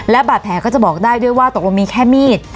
และบาดแผลก็จะบอกได้ด้วยว่าตกลงมีแค่มีด